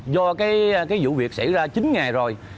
do cái vụ việc xảy ra chín ngày rồi